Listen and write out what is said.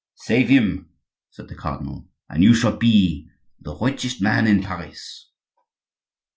"Save him!" said the cardinal, "and you shall be the richest man in France."